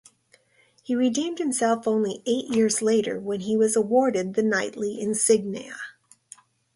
He redeemed himself only eight years later, when he was awarded the knightly insignia.